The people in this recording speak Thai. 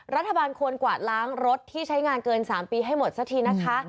รัฐบาลควรกวาดล้างรถที่ใช้งานเกิน๓ปีให้หมดสักทีนะคะ